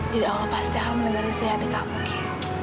jadi allah pasti akan mendengarkan hati kamu ki